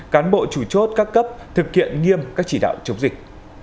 cán bộ chủ chốt các cấp thực hiện nghiêm các chỉ đạo chống dịch